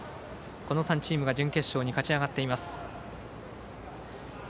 この３チームが準決勝に勝ち上がっています。